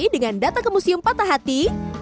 dengan data kemuseum patah hati